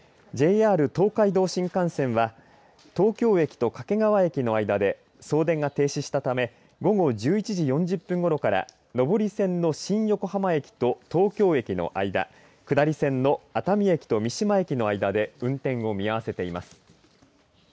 ＪＲ東海道新幹線は東京駅と掛川駅の間で送電が停止したため午後１１時４０分ごろから上り線の新横浜駅と東京駅の間下り線の熱海駅と三島駅の間で運転を見合わせています。